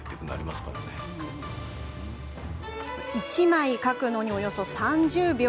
１枚書くのにおよそ３０秒。